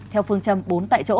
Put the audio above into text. theo phương châm bốn tại chỗ